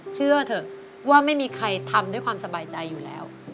เชื่อเถอะว่าไม่มีใครทำด้วยความสบายใจอยู่แล้ว